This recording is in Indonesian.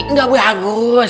enggak boleh hagus